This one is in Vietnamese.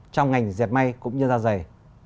trong ngành giật may cũng như da dày